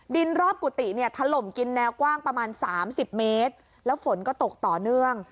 รอบกุฏิเนี่ยถล่มกินแนวกว้างประมาณสามสิบเมตรแล้วฝนก็ตกต่อเนื่อง